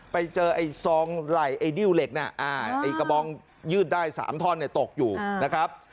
ไปเจอไอ้ซองไหล่ไอ้ดิ้วเหล็กน่ะไอ้กระบองยืดได้๓ท่อนเนี่ยตกอยู่นะครับ